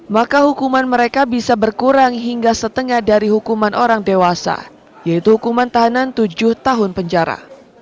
maka hukuman mereka bisa berkurang hingga setengah dari hukuman orang dewasa yaitu hukuman tahanan tujuh tahun penjara